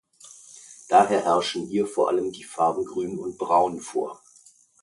Daher herrschen hier vor allem die Farben Grün und Braun vor.